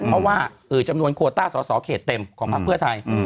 เพราะว่าเออจำนวนโควอต้าสอสอเขตเต็มของภักร์เพื่อไทยอืม